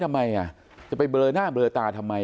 ทำไมจะไปเบลอหน้าเบลอตา